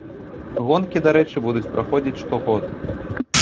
Гонкі, дарэчы, будуць праходзіць штогод.